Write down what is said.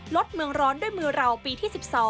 ลดเมืองร้อนด้วยมือเราปีที่๑๒